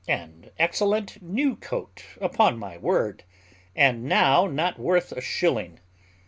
An excellent new coat upon my word; and now not worth a shilling!